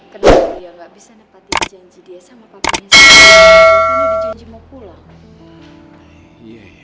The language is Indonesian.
kenapa dia gak bisa nepatin janji dia sama papi yang sama